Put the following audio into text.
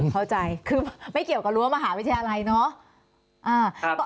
เข้าใจคือไม่เกี่ยวกับรั้วมหาวิทยาลัยเนาะ